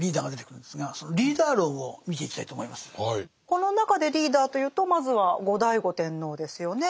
この中でリーダーというとまずは後醍醐天皇ですよね。